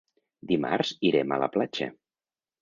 Dimarts irem a la platja.